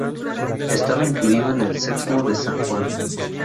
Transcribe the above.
Estaba incluido en el Sexmo de San Juan.